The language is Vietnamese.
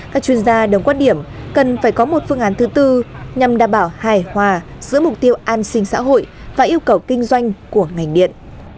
các chuyên gia đồng quan điểm cần phải có một phương án thứ tư nhằm đảm bảo hài hòa giữa mục tiêu an sinh xã hội và yêu cầu kinh doanh của ngành điện